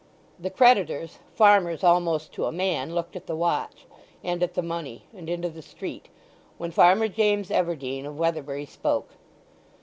The creditors, farmers almost to a man, looked at the watch, and at the money, and into the street; when Farmer James Everdene of Weatherbury spoke.